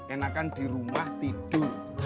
enak kan di rumah tidur